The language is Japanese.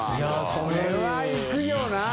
これは行くよな。